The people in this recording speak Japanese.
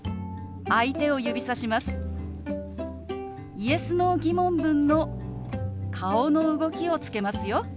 Ｙｅｓ／Ｎｏー疑問文の顔の動きをつけますよ。